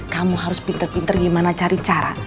kamu harus pinter pinter gimana cari cara